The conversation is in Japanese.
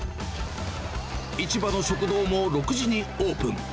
市場の食堂も６時にオープン。